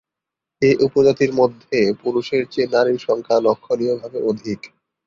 এ উপজাতির মধ্যে পুরুষের চেয়ে নারীর সংখ্যা লক্ষণীয়ভাবে অধিক।